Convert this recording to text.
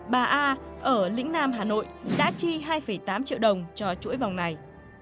bà a ở lĩnh nam hà nội đã chi hai tám triệu đồng cho chuỗi vòng này